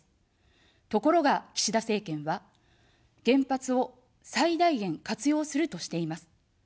ところが、岸田政権は、原発を最大限活用するとしています。